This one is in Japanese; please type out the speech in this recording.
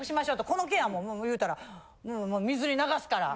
この件は言うたら水に流すから。